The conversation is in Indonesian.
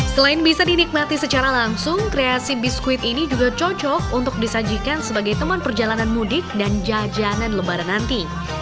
selain bisa dinikmati secara langsung kreasi biskuit ini juga cocok untuk disajikan sebagai teman perjalanan mudik dan jajanan lebaran nanti